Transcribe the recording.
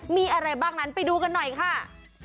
มีอะไรบ้างนั้นไปดูกันหน่อยค่ะ